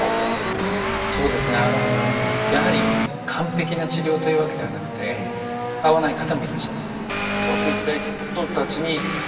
やはり完璧な治療というわけではなくて合わない方もいらっしゃいます。